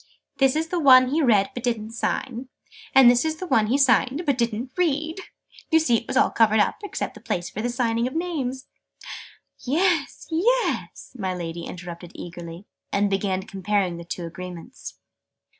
"This is the one he read but didn't sign: and this is the one he signed but didn't read! You see it was all covered up, except the place for signing the names " "Yes, yes!" my Lady interrupted eagerly, and began comparing the two Agreements.